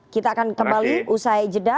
kita akan kembali usai jeda